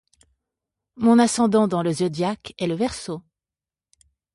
Mon ascendant dans le zodiaque est le Verseau.